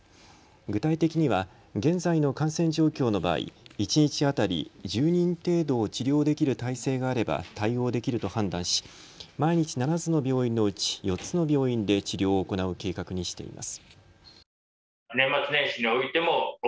具体的には現在の感染状況の場合一日当たり、１０人程度を治療できる態勢があれば対応できると判断し毎日７つの病院のうち４つの病院で治療を行う計画にしています。